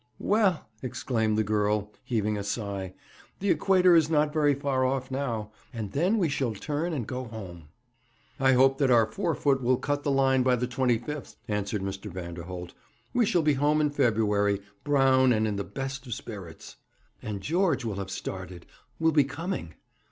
'Well,' exclaimed the girl, heaving a sigh, 'the Equator is not very far off now, and then we shall turn and go home.' 'I hope that our forefoot will cut the Line by the 25th,' answered Mr. Vanderholt. 'We shall be home in February, brown, and in the best of spirits.' 'And George will have started will be coming.'